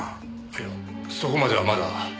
いやそこまではまだ。